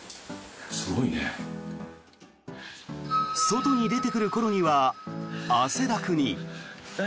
外に出てくるころには汗だくに。